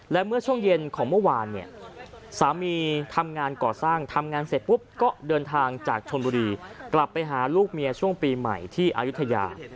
และเมื่อช่วงเย็นของเมื่อวานเนี่ยสามีทำงานก่อสร้างทำงานเสร็จปุ๊บก็เดินทางจากชนบุรีกลับไปหาลูกเมียช่วงปีใหม่ที่อายุทยา